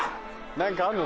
何かあるぞ！